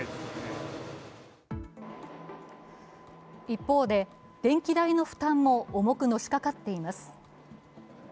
一方で、電気代の負担も重くのしかかっています。